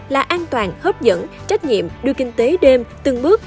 là an toàn hấp dẫn trách nhiệm đưa kinh tế đêm từng bước